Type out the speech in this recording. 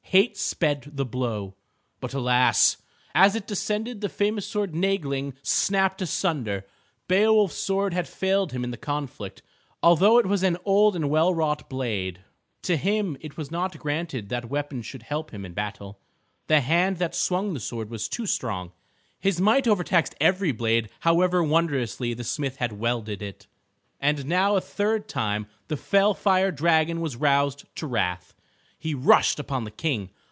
Hate sped the blow. But alas! as it descended the famous sword Nægling snapped asunder. Beowulf's sword had failed him in the conflict, although it was an old and well wrought blade. To him it was not granted that weapons should help him in battle. The hand that swung the sword was too strong. His might overtaxed every blade however wondrously the smith had welded it. And now a third time the fell fire dragon was roused to wrath. He rushed upon the King.